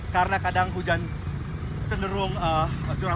karena kadang hujan cenderung curah